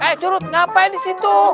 eh curut ngapain disitu